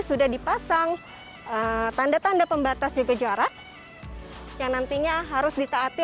sudah dipasang tanda tanda pembatas juga jarak yang nantinya harus ditaati